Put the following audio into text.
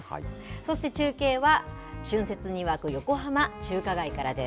そして中継は、春節に沸く横浜中華街からです。